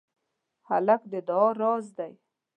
هلک د دعا راز دی.